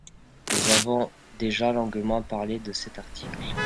Nous avons déjà longuement parlé de cet article.